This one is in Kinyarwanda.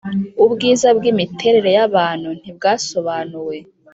ubwiza bwimiterere yabantu ntibwasobanuwe